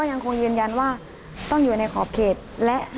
หนึ่งไปค่ะ